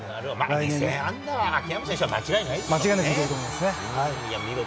２０００本安打は秋山選手は間違いないですね。